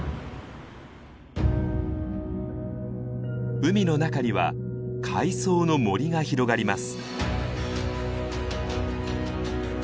海の中には海藻の森が広がります。